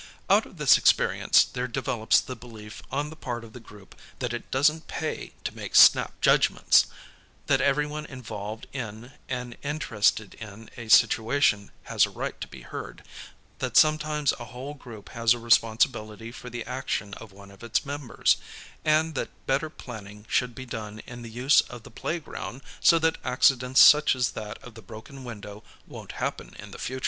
Out of this experience there develops the belief on the part of the group that it doesn't pay to make snap judgments; that everyone involved in and interested in a situation has a right to be heard; that sometimes a whole group has a responsibility for the action of one of its members; and that better planning should be done in the use of the playground so that accidents such as that of the broken window won't happen in the future.